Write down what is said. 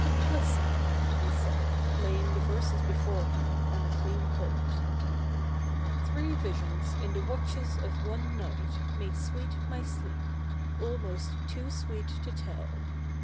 Listen,' he said, laying the verses before him, on a clean plate. ' Three visions in the watches of one night Made sioeet i/iy sleep — almost too sweet 10 tell.